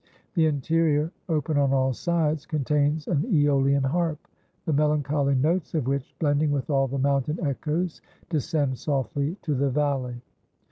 The interior, open on all sides, contains an Æolian harp, the melancholy notes of which, blending with all the mountain echoes, descend softly to the valley.